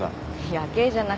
夜景じゃなくて。